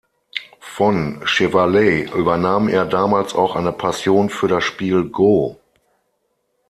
Von Chevalley übernahm er damals auch eine Passion für das Spiel Go.